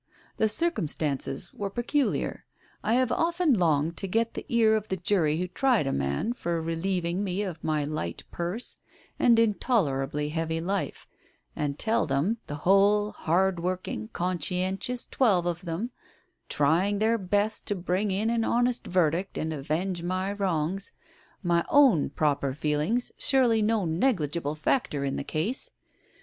The circumstances were peculiar. I have often longed to get the ear of the jury who tried a man for relieving me of my light purse and intolerably heavy life, and tell them — the whole hard working, conscientious twelve of them, trying their best to bring in an honest verdict and avenge my wrongs — my own proper feelings, surely no negligible factor in the case